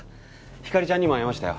ひかりちゃんにも会いましたよ。